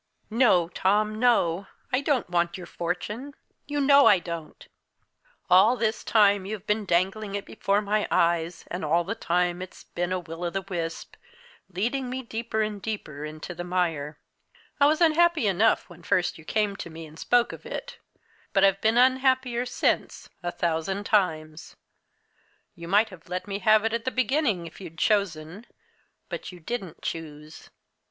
"No, Tom, no! I don't want your fortune. You know I don't! All this time you've been dangling it before my eyes, and all the time it's been a will o' the wisp, leading me deeper and deeper into the mire. I was unhappy enough when first you came to me and spoke of it but I've been unhappier since, a thousand times. You might have let me have it at the beginning, if you'd chosen but you didn't choose.